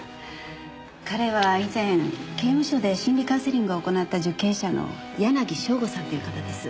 彼は以前刑務所で心理カウンセリングを行った受刑者の柳正吾さんという方です。